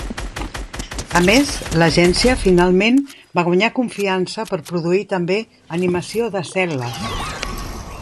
A més, l'agència finalment va guanyar confiança per produir també animació de cel·les.